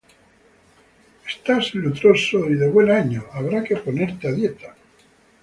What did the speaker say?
Estás lustroso y de buen año. Habrá que ponerse a dieta